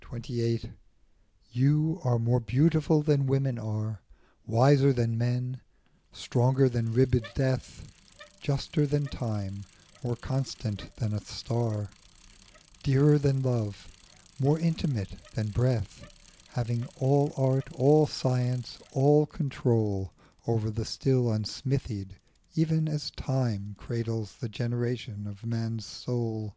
3 1 XXVIII. YOU are more beautiful than women are, Wiser than men, stronger than ribbed death, Juster than Time, more constant than the star, Dearer than love, more intimate than breath, Having all art, all science, all control Over the still unsmithied, even as Time Cradles the generations of man's soul.